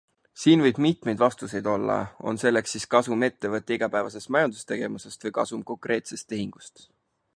Siin võib mitmeid vastuseid olla, on selleks siis kasum ettevõtte igapäevasest majandustegevusest või kasum konkreetsest tehingust.